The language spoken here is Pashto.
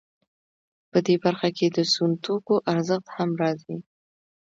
په دې برخه کې د سون توکو ارزښت هم راځي